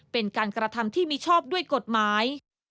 เป็นการกระทำที่มิชอบด้วยกฎหมาย